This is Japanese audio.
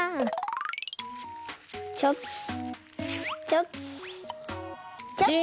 チョキチョキチョキ。